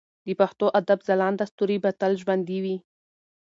د پښتو ادب ځلانده ستوري به تل ژوندي وي.